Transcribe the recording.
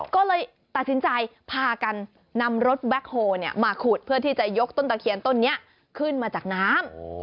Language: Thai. ก็เลยตัดสินใจพากันนำรถแบ็คโฮลมาขุดเพื่อที่จะยกต้นตะเคียนต้นนี้ขึ้นมาจากน้ำ